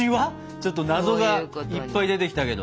ちょっと謎がいっぱい出てきたけど。